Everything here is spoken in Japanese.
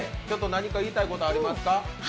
何か言いたいことありますか？